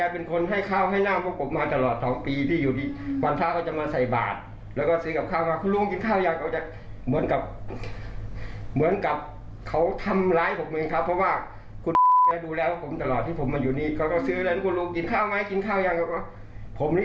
ผมนี่ยังผมจะเข็นผมจะขอต่อยจริงครับผม